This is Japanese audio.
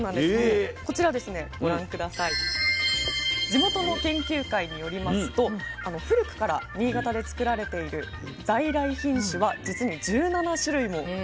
地元の研究会によりますと古くから新潟で作られている在来品種はじつに１７種類もあるんです。